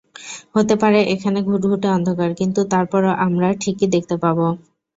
হতে পারে এখানে ঘুটঘুটে অন্ধকার, কিন্তু তারপরও আমরা ঠিকই দেখতে পাব।